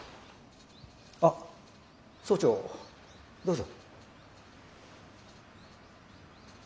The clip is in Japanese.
あ総長どうぞ。